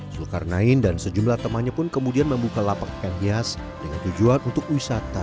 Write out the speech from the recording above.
zulkarnain dan sejumlah temannya pun kemudian membuka lapak ikan hias dengan tujuan untuk wisata